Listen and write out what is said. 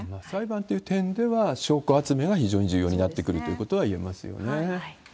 裁判という点では、証拠集めが非常に重要になってくるということがいえますよね。